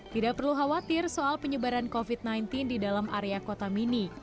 tidak perlu khawatir soal penyebaran covid sembilan belas di dalam area kota mini